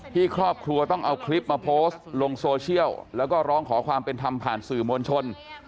ครอบครัวต้องเอาคลิปมาโพสต์ลงโซเชียลแล้วก็ร้องขอความเป็นธรรมผ่านสื่อมวลชน